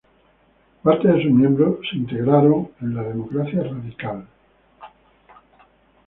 Parte de sus miembros se integraron a la Democracia Radical.